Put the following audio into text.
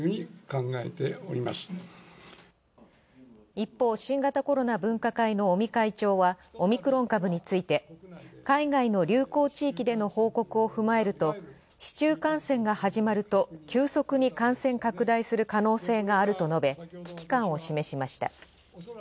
一方、新型コロナ分科会の尾身会長はオミクロン株について、海外の流行地域での報告を踏まえると「市中感染が始まると急速に感染拡大する可能性がある」と述べ、危機感を示しました。